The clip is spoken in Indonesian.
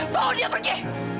bawa dia pergi